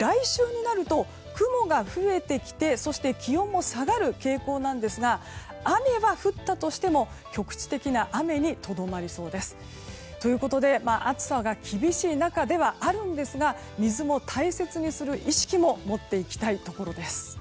来週になると雲が増えてきてそして、気温も下がる傾向なんですが雨は降ったとしても局地的な雨にとどまりそうです。ということで暑さが厳しい中ではあるんですが水を大切にする意識も持っていきたいところです。